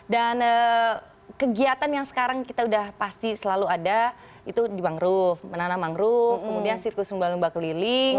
dan kegiatan yang sekarang kita udah pasti selalu ada itu di mangrove menanam mangrove kemudian sirkus rumba rumba keliling